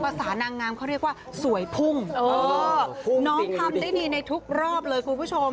ภาษานางงามเขาเรียกว่าสวยพุ่งเออน้องทำได้ดีในทุกรอบเลยคุณผู้ชม